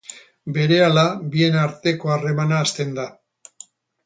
Berehala bien arteko harremana hasten da.